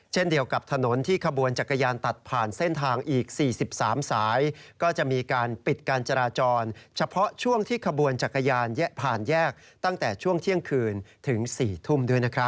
เช่นเดียวกับถนนที่ขบวนจักรยานตัดผ่านเส้นทางอีก๔๓สายก็จะมีการปิดการจราจรเฉพาะช่วงที่ขบวนจักรยานผ่านแยกตั้งแต่ช่วงเที่ยงคืนถึง๔ทุ่มด้วยนะครับ